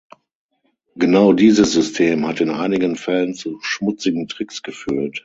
Genau dieses System hat in einigen Fällen zu schmutzigen Tricks geführt.